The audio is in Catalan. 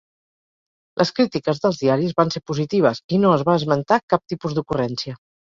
Les crítiques dels diaris van ser positives i no es va esmentar cap tipus d'ocurrència.